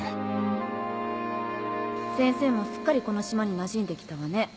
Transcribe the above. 先生もすっかりこの島になじんできたわね